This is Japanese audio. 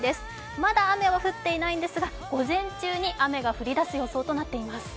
まだ雨は降っていないんですが午前中に雨が降りだす予想となっています。